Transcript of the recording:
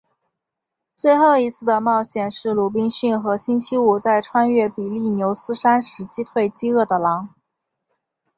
最后一次的冒险是鲁滨逊和星期五在穿越比利牛斯山时击退饥饿的狼。